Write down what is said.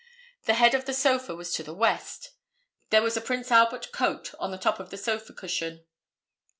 The head of the sofa was to the west. There was a Prince Albert coat on the top of the sofa cushion.